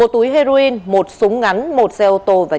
một túi heroin một súng ngắn một xe ô tô và